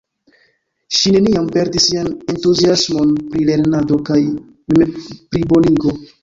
Ŝi neniam perdis sian entuziasmon pri lernado kaj memplibonigo.